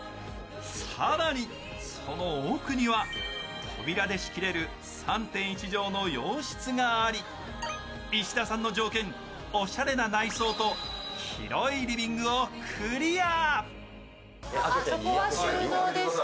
更に、その奥には扉で仕切れる３．１畳の洋室があり石田さんの条件、おしゃれな内装と広いリビングをクリア。